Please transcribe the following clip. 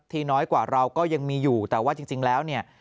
น้อยกว่าเราก็ยังมีอยู่แต่ว่าจริงแล้วเนี่ย